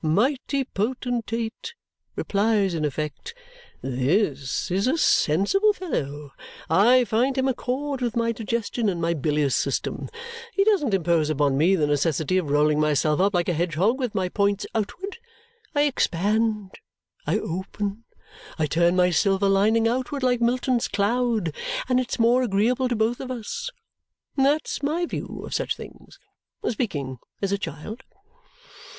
Mighty potentate replies in effect, 'This is a sensible fellow. I find him accord with my digestion and my bilious system. He doesn't impose upon me the necessity of rolling myself up like a hedgehog with my points outward. I expand, I open, I turn my silver lining outward like Milton's cloud, and it's more agreeable to both of us.' That's my view of such things, speaking as a child!"